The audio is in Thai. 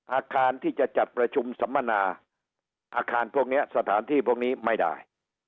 อาคารที่จะจัดประชุมสัมมนาอาคารพวกนี้สถานที่พวกนี้ไม่ได้